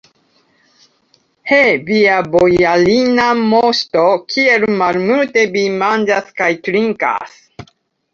He, via bojarina moŝto, kiel malmulte vi manĝas kaj trinkas!